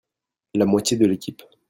La moitié de l'équipe.